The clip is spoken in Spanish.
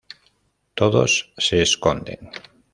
Todos se esconden.